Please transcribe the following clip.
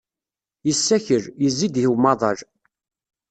Yessakel, yezzi-d i umaḍal.